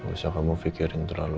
gak usah kamu pikirin terlalu